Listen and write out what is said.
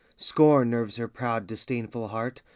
Scorn nerves her proud, disdainful heart